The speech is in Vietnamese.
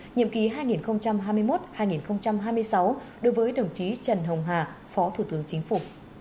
nhiệm ký hai nghìn hai mươi một hai nghìn hai mươi sáu đối với đồng chí trần hồng hà phó thủ tướng chính phủ